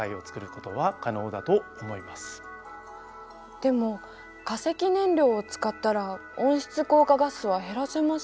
でも化石燃料を使ったら温室効果ガスは減らせませんよね。